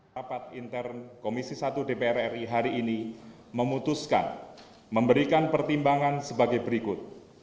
rapat intern komisi satu dpr ri hari ini memutuskan memberikan pertimbangan sebagai berikut